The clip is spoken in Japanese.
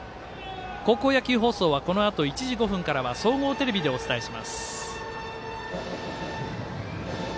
高校野球放送はこのあと１時５分からは総合テレビでお伝えします。